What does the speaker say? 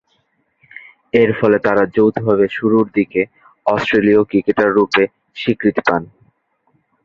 এরফলে তারা যৌথভাবে শুরুরদিকের অস্ট্রেলীয় ক্রিকেটাররূপে স্বীকৃতি পান।